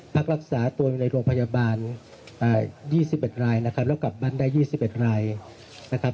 พักรักษาตัวอยู่ในโรงพยาบาล๒๑รายนะครับแล้วกลับบ้านได้๒๑รายนะครับ